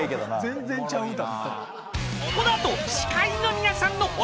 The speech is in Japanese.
全然ちゃう歌。